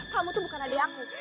kamu tuh bukan adik aku